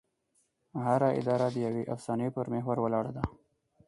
هره اداره د یوې افسانې پر محور ولاړه ده.